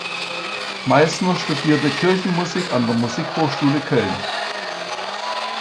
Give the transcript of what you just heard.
Meisner studierte Kirchenmusik an der Musikhochschule Köln.